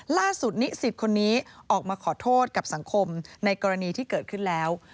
ล่าสุดนิสิตคนนี้ออกมาขอโทษกับสังคมในกรณีที่เกิดขึ้นแล้ว